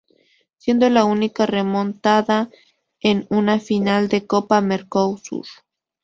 Siendo la única remontada en una final de Copa Mercosur.